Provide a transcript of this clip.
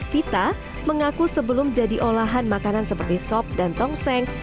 vita mengaku sebelum jadi olahan makanan seperti sop dan tongseng